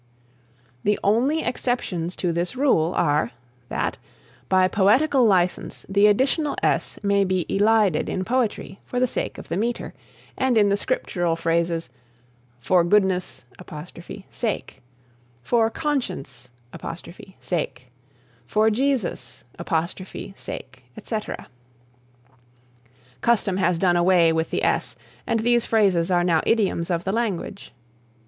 The only exceptions to this rule are, that, by poetical license the additional s may be elided in poetry for sake of the metre, and in the scriptural phrases "For goodness' sake." "For conscience' sake," "For Jesus' sake," etc. Custom has done away with the s and these phrases are now idioms of the language.